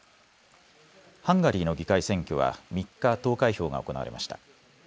ハンガリーの議会選挙は３日、投開票が行われました。